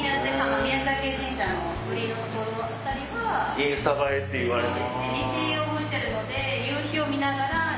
インスタ映えっていわれる？